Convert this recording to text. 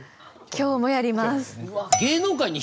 今日もやります。